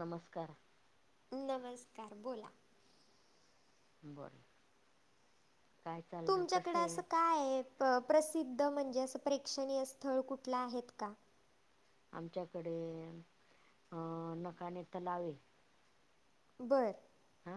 नमस्कार, नमस्कार बोला. बरं तुमच्याकडे असं काय आहे प्रसिद्ध म्हणजे असं प्रेक्षणीय स्थळ कुठलं आहेत का? आमच्याकडे अं नकाने तलाव ये. बरं हा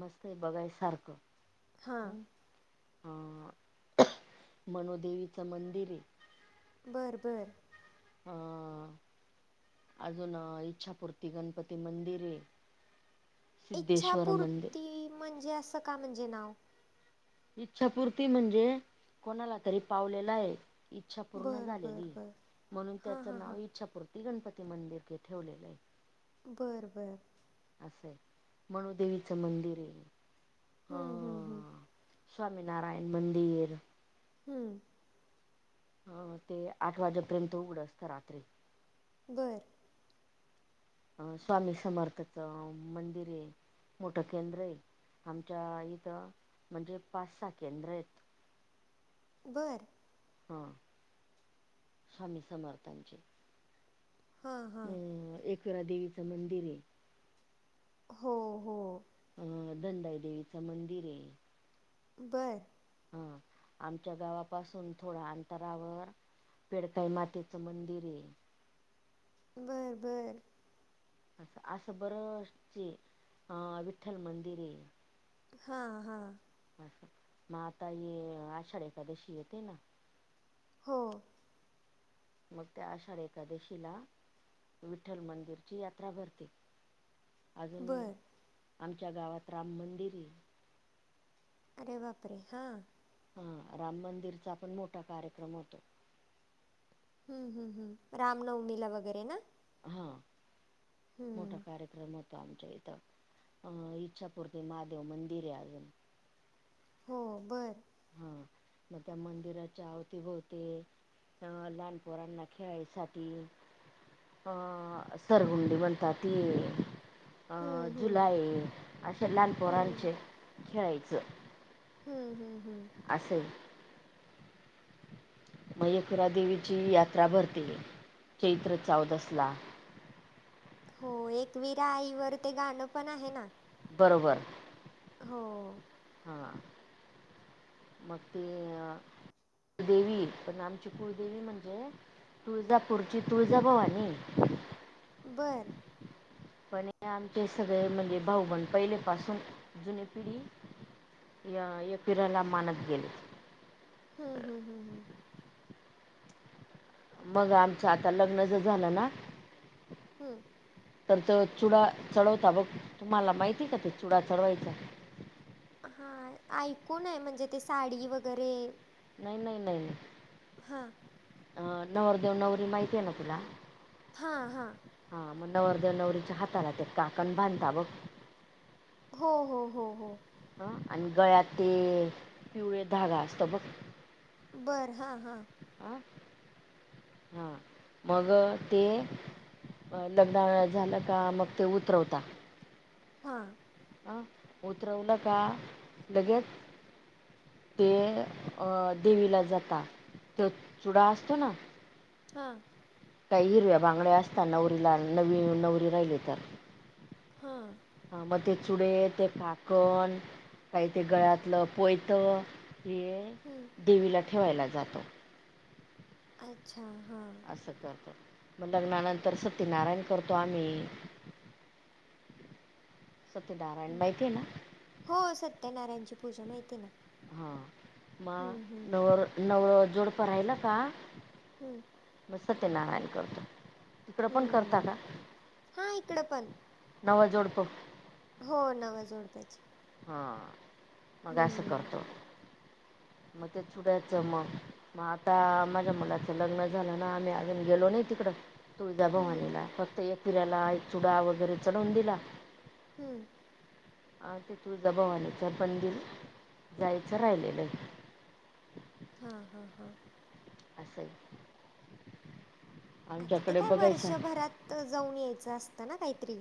मस्त आहे बघायसारखं. हां अ मनोदेवीच मंदिर आहे. बरं बरं अ अजून अ इच्छापुरती गणपती मंदिर ये. मंदिर इच्छापूर्ती.. म्हणजे, असं का म्हणजे नाव? इच्छापूर्ती म्हणजे, कोणाला तरी पावलेला ये इच्छा पूर्ण बरं बरं झालेली आहे बरं म्हणून हां त्याचं हां हां नाव इच्छापूर्ती गणपती मंदिर ठेवलेलं हाय. बरं, बरं, असं आहे मणुदेवीचं मंदिर ये अ हं हं हं स्वामी नारायण मंदिर. हम्म अ ते आठ वाजेपर्यंत उघड असतं रात्री. बरं अं स्वामी समर्थच मंदिर आहे. मोठं केंद्र आहे. आमच्या इथं म्हणजे पाच सहा केंद्र आहेत. बरं हा स्वामी समर्थांचे हां हां अं एकरा देवीचं मंदिर आहे. हो, हो, अ धनंदाई देवीच मंदिर आहे. बरं हा आमच्या गावापासून थोडं अंतरावर पेडकाई मातेचं मंदिर ये. बरं बरं असं असं बरं जे अ विठ्ठल मंदिर ये. हा हा अस म आता ये आषाढी एखकादशी येते ना. हो मग ते आशाढ एकादशीला विठ्ठल मंदिरची यात्रा भरते. अजून बरं आमच्या गावात राम मंदिर ये अरे बाप रे हां हा राम मंदिरचा पण मोठा कार्यक्रम होतो. हम् हम्म हम् रामनवमीला वगैरे ना? हा मोठा हं, कार्य क्रम होतो आमच्या इथ अ इच्छापूर्ती महादेव मंदिर आहे. अजून हो बरं. हा मग त्या मंदिराच्या अवतीभोवती अ लहानपोरांना खेळायसाठी अ सरगुंडी म्हणतात ती आहे. अ हं, हं, झुलाय अशे लहान हं, पोरांचे खेळायचं. हम्म हम्म हम्. असंय. मयकरा देवीची यात्रा भरते चैत्र चौदसाला. हो. एकवीरा आईवर ते गाणं पण आहे ना. बरोबर. हो. हा मग ते, देवी पण आमची कुळदेवी म्हणजे, तुळजापूरची तुळजाभवानी आहे. बरं. पण आमचे सगळे म्हणजे भाऊ बहीण पहिले पासून जुनी पिढी या एकविराला मानत गेले. हम् हम्म हम हम. मग आमचं आता लग्न च झालं ना. हम. तर तो चुडा चढवता बघ तुम्हाला माहितीय का ते चुडा चढवायचा? हा ऐकून आहे म्हणजे ते साडी वगैरे नाही नाही नाही. हां. अ नवरदेव नवरी माहिती आहे ना तुला? हा हा. हा मग नवरदेव नवरीच्या हाताला ते काकण बांधता बघ. हो हो हो हो. ह आणि गळ्यात ते पिवळे धागा असत बघ. बरं हां हां. ह हा मग ते, लग्नावल्या झालं का मग ते उतरवता हा. अ उतरवलं का लगेच ते अ देवीला जाता. तो चुडा असतो ना. हा. काही हिरव्या बांगड्या असता नवरीला आणि नवी नवरीला ही देतात. हा. हा मग ते चुडे, ते काकण, काही ते गळ्यातलं पोयत हे हं. देवीला ठेवायला जातात. अच्छा हां. असं करतात. मग लग्नानंतर सत्यनारायण करतो आम्ही सत्यनारायण माहिती आहे ना. हो! सत्यनारायणची पूजा माहिती आहे ना. हा! हं, मग हं, नवर नव जोडप राहिला का? हम्म! मग सत्य नारायण करतो. तिकडं पण करता हं. का? हां, इकडं पण. नवा जोडप हो नव्या जोडप्याची हा! मग असं हम्म. करतो. मग ते चुड्याचं मग मग आता माझ्या मुलाचं लग्न झालं ना आम्ही अजून गेलो नाही तिकडं हम्म, तुळजाभवानीला, हम्म, फक्त एक पिऱ्याला एक चुडा वगैरे चढवून दिला हम्म! अ! तिथून दबावानीच बंदिली, जायचं राहिलेलं. हा! हा! हा! असाय अच्छा! ते काय वर्षभरात जाऊन यायचं असतं ना काहीतरी?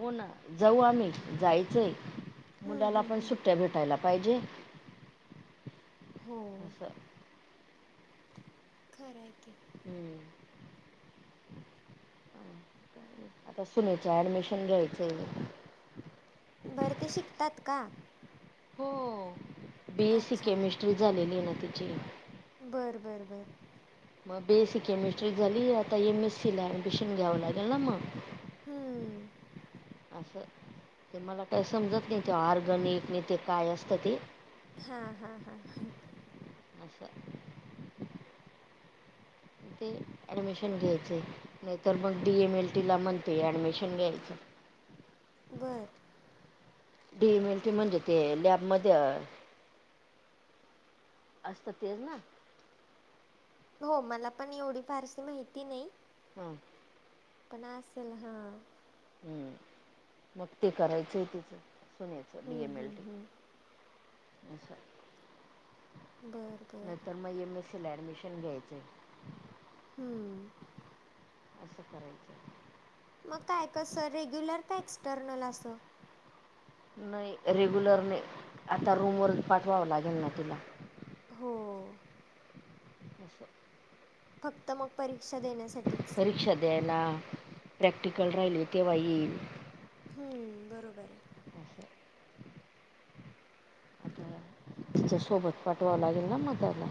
हो ना! जाऊ आम्ही. जायचंय. हम्म, मुलाला हम्म, पण हम्म. सुट्टया भेटायला पाहिजे? हो असं खरं हाय की. हम्म. आता सुनेचं ऍडमिशन घ्यायचंय. बरं ते शिकतात का? हो! बी. एस. सी. अच्छा. केमिस्ट्री झालेली आहे ना तिची. बरं बरं बरं! मग बी. एस. सी. केमिस्ट्री झाली, आता एम. एस. सी. ला ऍडमिशन घ्यावं लागेल ना मग. हम्म! असं! ते मला काय समजत नाही ते ऑर्गनिक नाय ते काय असतं ते हा! हा! हा! हा! [unintelligible] ते ऍडमिशन घ्यायचंय. नाही तर मग बी. एम. एल. टी. ला म्हणतेय ऍडमिशन घ्यायचं. बरं! बी. एम. एल. टी. म्हणजे ते लॅबमध्ये अ असत तेज ना? हो! मला पण एवढी फारशी माहिती नाही हम्म! पण असेल हा हम्म! मग ते करायचंय तिचं, सुनेचं बी. हम्म, एम. एल. हम्म, टी. हम्म. अच्छा! बरं! बरं! मग एम. एस. सी. ला ॲडमिशन घ्यायचंय हम्म! असं करायचं. मग काय कसं रेग्युलर का एक्सटर्नल असंत? नाही रेग्युलर नाही, आता रूमवर पाठवावं लागेल ना तिला. हो! [unintelligible] फक्त मग परीक्षा देण्यासाठीच परीक्षा द्यायला प्रॅक्टिकल राहिली तेव्हा येईल हम्म बरोबर आहे असं आता तिच्या सोबत पाठवां लागेल ना मताला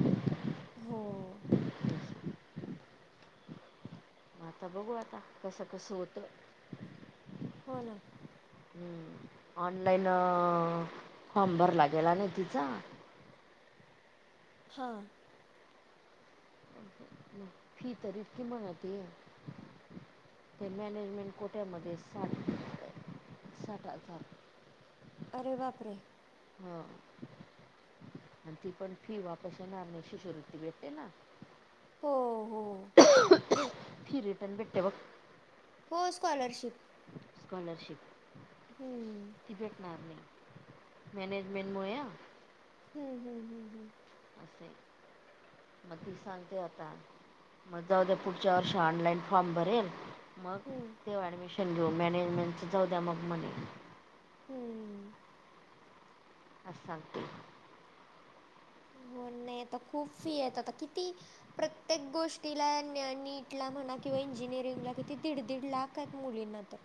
हो त्याला. आता बघू आता कसं कस होतं हो ना हम्म ऑनलाईन फॉर्म भरला गेला नाही तिचा हां फी तर इतकी महागली ते मॅनेजमेंट कोठ्यामध्ये साठ साठ हजार अरे बापरे ह आणि ती पण फी वापस येणार नाही शिशुवृती भेटते ना हो हो फि रीटर्न भेटते बघ हो स्कॉलरशिप स्कॉलरशिप हम्म ती भेटणार नाही मॅनेजमेंटमुळे आ हम्म हम्म हम्म हम् असे मग ती सांगते आता मग जाऊद्या पुढच्या वर्ष ऑनलाइन फॉर्म भरेल मग हम्म तेव्हा ऍडमिशन घेऊ मॅनेजमेंटच जाऊ द्या मग म्हणे हम्म असं सांगते हो नाही आता खूप फी आहे आता किती प्रत्येक गोष्टीला न नीटला म्हणा किंवा इंजिनिअरिंगला किती दीड दीड लाख मुलींना तर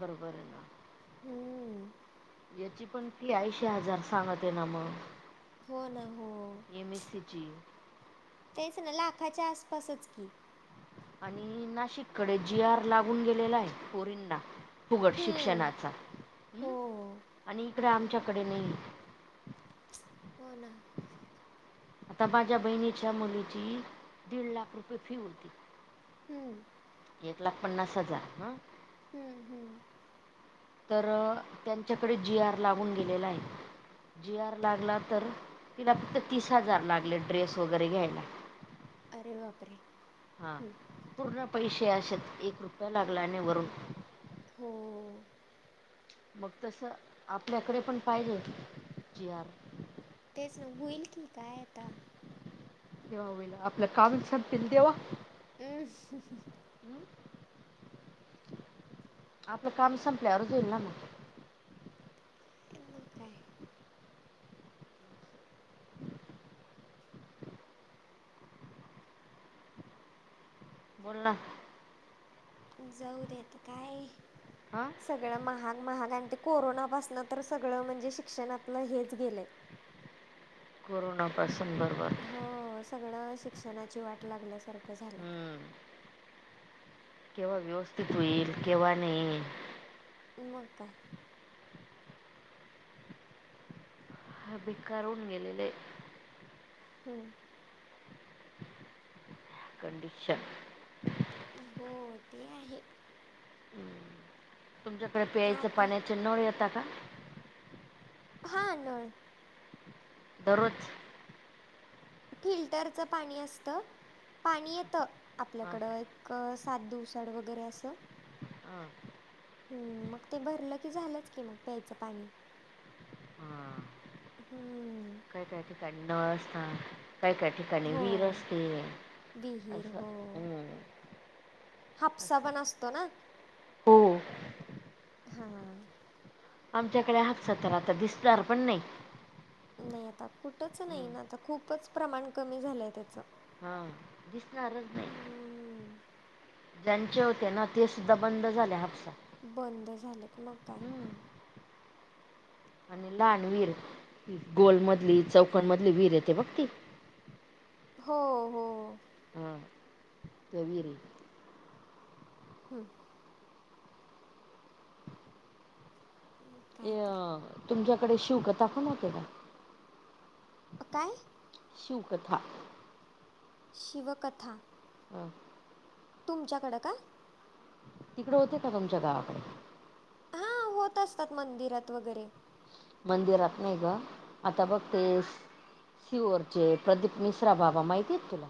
बरोबर आहे ना हम्म याची पण फी ऐंशी हजार सांगत आहे ना मग हो ना हो एम एस सी ची तेच ना लाखाच्या आसपासच की आणि नाशिककडे जीआर लागून गेलेला आहे पोरीना फुकट हम्म शिक्षणाचा अं हो आणि इकड आमच्याकडे नाहीये हो ना आता माझ्या बहिणीच्या मुलीची दीड लाख रुपये फी होती हम्म एक लाख पन्नास हजार हं हम्म हम्म तर त्यांच्याकडे जीआर लागुन गेलेला आहे जीआर लागला तर तिला फक्त तीस हजार लागले ड्रेस वगैरे घ्यायला. अरे बापरे हां हम्म पूर्ण पैशे अशेत एक रुपय लागला आणि वरून हो मग तसं आपल्याकडे पण पाहिजे जी आर तेच ना व्हील की काय आता. केव्हा व्हील आपलं काम संपिल तेव्हा? ह [unintelligible] हम्म. आपलं काम संपल्यावरच होईल ना. काय म्हणताय? बोल ना. जाऊ देत काय. आ. सगळं महाग महाग आणि ते कोरोनापासनं तर सगळं म्हणजे शिक्षणातलं हेच गेलंय. कोरोनापासून बरबर. हो सगळं शिक्षणाची वाट लागल्यासारखं झालंय. हम्म केव्हा व्यवस्थित व्हील केव्हा नई मग काय. ह बेकार होऊन गेलेल हाय. हम्म. कंडिशन. हो ते आहे. तुमच्याकडे प्यायचं आता पाण्याचे नळ येता का? हा नळ. दररोज? फिल्टरचं पाणी असतं. पाणी येतं हां आपल्याकडं एक सात दिवसाड वगैरे असं हां हम्म मग ते भरलं की झालंच की मग प्यायचं पाणी. हम्म. काय काय ठिकाण नळ असता काय काय ठिकाण काणी हो विहीर असते विहीर असं हो हापसा असं पण असतो ना. हो हा हा हा. आमच्याकडं हापसा तर आता दिसणार पण नई. नई आता कुटच नई हम्म ना आता खूपच प्रमाण कमी झालंय त्याचं. हा. झालंच नई हम्म. ज्यांचे होते ना ते सुद्धा बंद झाले हापसा. बंद झालंत मग काय. हम्म आणि लहान वीर गोलमधली चौखन मधली वीर येते बघ ती हो हो. हां [unintelligible] हम. हम ए काय तर. अं, तुमच्याकडे शिव कथा पण होते का? काय? शिवकथा. शिव कथा हा. तुमच्याकडं का? तिकडं होते का तुमच्या गावाकडे? हां होत असतात मंदिरात वगैरे. मंदिरात नाय ग आता बघ तेस टीव्हीवरचे प्रदीप मिश्रा बाबा माहिती येत तुला?